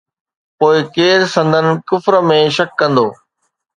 پوءِ ڪير سندن ڪفر ۾ شڪ ڪندو؟